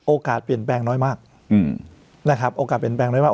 เปลี่ยนแปลงน้อยมากนะครับโอกาสเปลี่ยนแปลงน้อยมาก